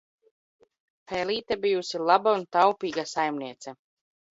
Pel?te bijusi laba un taup?ga saimniece.